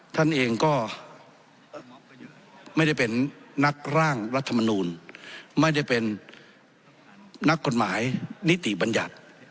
ท่านเองก็ไม่ได้เป็นนักร่างรัฐมนูลไม่ได้เป็นนักกฎหมายนิติบัญญัติ